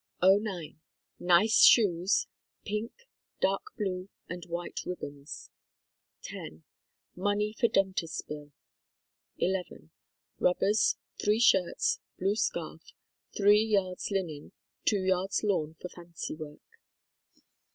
THE STORY OF DEBORAH 9 '09. Nice shoes, pink, dark blue, and white rib bons. '10. Money for dentist bill. 'n. Rubbers, three shirts, blue scarf, three yards linen, two yards lawn for fancy work.